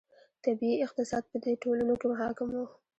طبیعي اقتصاد په دې ټولنو کې حاکم و.